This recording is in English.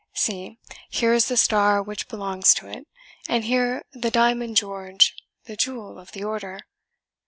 See, here is the star which belongs to it, and here the Diamond George, the jewel of the order.